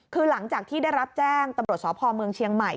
คือหลังจากที่ได้รับแจ้งตำรวจสพเมืองเชียงใหม่